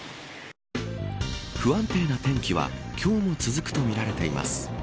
不安定な天気は今日も続くとみられています。